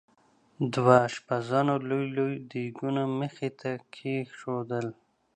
دوه اشپزانو لوی لوی دیګونه مخې ته کېښودل.